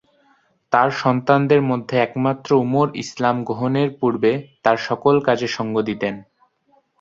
তার সন্তানদের মধ্যে একমাত্র উমর ইসলাম গ্রহণের পূর্বে তার সকল কাজে সঙ্গ দিতেন।